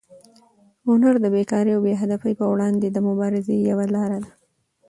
هنر د بېکارۍ او بې هدفۍ پر وړاندې د مبارزې یوه لاره ده.